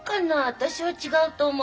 私は違うと思う。